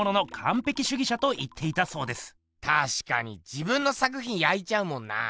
自分の作品焼いちゃうもんなぁ。